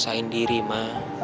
aku ada yang diri ma